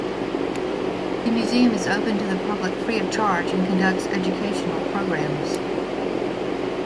The museum is open to the public free of charge and conducts educational programs.